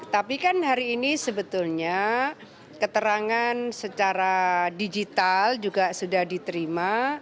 tapi kan hari ini sebetulnya keterangan secara digital juga sudah diterima